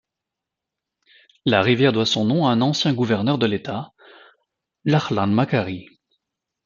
La rivière doit son nom à un ancien gouverneur de l'état, Lachlan Macquarie.